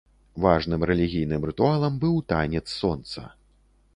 Важным рэлігійным рытуалам быў танец сонца.